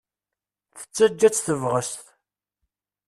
Tettaǧǧa-tt tebɣest.